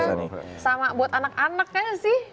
lucu banget ya sama buat anak anak kan sih